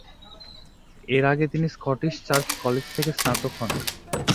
এর আগে তিনি স্কটিশ চার্চ কলেজ থেকে স্নাতক হন।